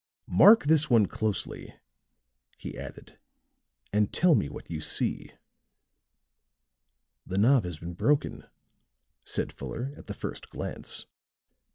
"Mark this one closely," he added, "and tell me what you see." "The knob has been broken," said Fuller at the first glance.